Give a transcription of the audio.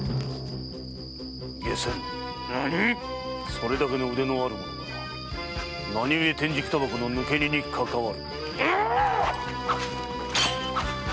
それだけの腕のある者が何ゆえ天竺煙草の抜け荷にかかわる？